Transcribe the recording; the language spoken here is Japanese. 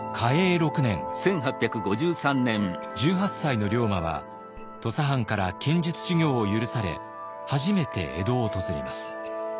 １８歳の龍馬は土佐藩から剣術修行を許され初めて江戸を訪れます。